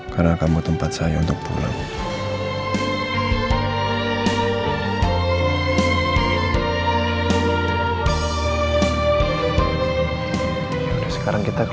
karena kamu tempat saya untuk pulang